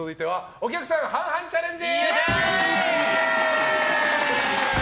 お客さん半々チャレンジ！